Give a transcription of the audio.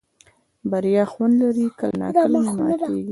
بریا خوند لري کله ناکامي ماتېږي.